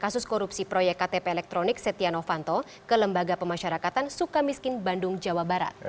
kasus korupsi proyek ktp elektronik setia novanto ke lembaga pemasyarakatan suka miskin bandung jawa barat